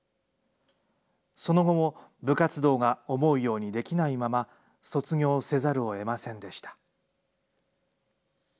その後も部活動が思うようにできないまま、卒業せざるをえませんでした。